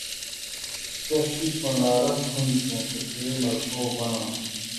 کس اسم لا رفع ہُوندیۡ کھیں تسے مرفوع بناں تھہ